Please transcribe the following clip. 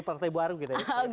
partai baru kita